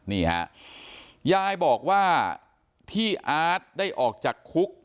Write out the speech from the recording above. นี่ครับยายบอกว่าที่อาทิติได้ออกจากคุกมาก่อน